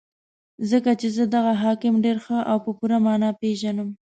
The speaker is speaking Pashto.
ځکه چې زه دغه حاکم ډېر ښه او په پوره مانا پېژنم.